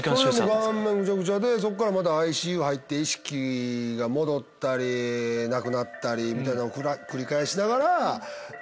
顔面グチャグチャでそっからまたＩＣＵ入って意識が戻ったりなくなったりみたいなのを繰り返しながら。